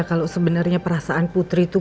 kalo sebenernya perasaan putri tuh